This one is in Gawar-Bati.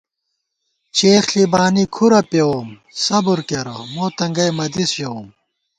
چېخ ݪی بانی کھُرہ پېووم صبر کېرہ مو تنگئ مہ دِس ژَوُم